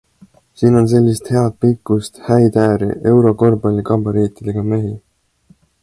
Siin on sellist head pikkust, häid ääri - eurokorvpalli gabariitidega mehi.